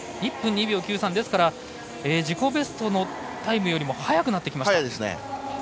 ですから自己ベストのタイムより速くなってきました。